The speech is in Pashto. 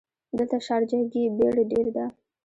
دلته شارجه ګې بیړ ډېر ده.